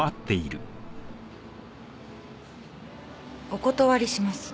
お断りします。